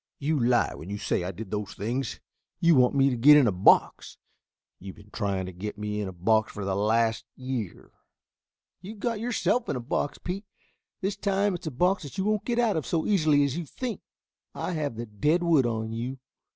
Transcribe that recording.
"You lie when you say I did those things. You want to get me in a box. You've been trying to get me in a box for the last year." "You have got yourself in a box, Pete. This time it's a box that you won't get out of so easily as you think. I have the dead wood on you."